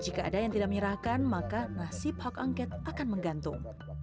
jika ada yang tidak menyerahkan maka nasib hak angket akan menggantung